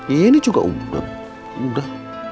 iya ini juga umum udah